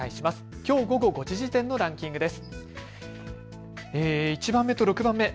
きょう午後５時時点のランキングです。